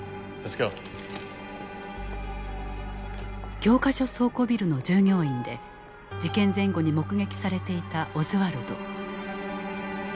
教科書倉庫ビルの従業員で事件前後に目撃されていたオズワルド。